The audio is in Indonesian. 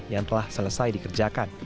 yang telah selesai dikerjakan